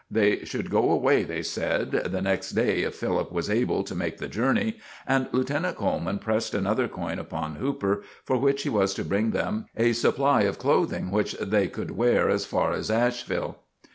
They should go away, they said, the next day if Philip was able to make the journey; and Lieutenant Coleman pressed another coin upon Hooper, for which he was to bring them a supply of clothing which they could wear as far as Asheville.